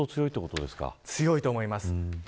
強いと思います。